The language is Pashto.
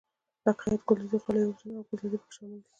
لکه خیاطي ګلدوزي غالۍ اوبدنه او ګلسازي پکې شامل دي.